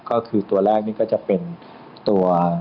ก็คือตัวแรกนี่ก็จะเป็นตัว